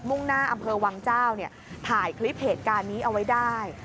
่งหน้าอำเภอวังเจ้าเนี่ยถ่ายคลิปเหตุการณ์นี้เอาไว้ได้